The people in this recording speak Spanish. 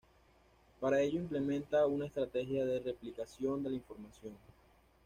Para ello implementa una estrategia de replicación de la información.